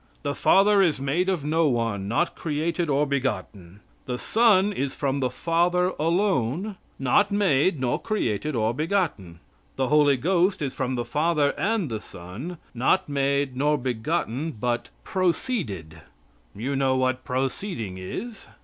"The Father is made of no one, not created or begotten. The Son is from the Father alone, not made, nor created, or begotten. The Holy Ghost is from the Father and the Son, not made nor begotten, but proceeded " You know what proceeding is.